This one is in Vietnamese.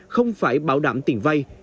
không phải bảo đảm tiền vay